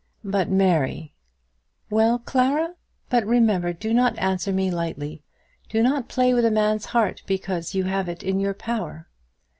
"But, Mary " "Well, Clara! But remember; do not answer me lightly. Do not play with a man's heart because you have it in your power."